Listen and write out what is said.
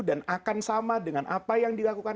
dan akan sama dengan apa yang dilakukan